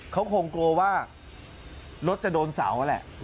เขาคงโกว่ารถจะโดนเสาแหละ